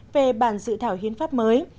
về bản dự thảo hiến pháp mới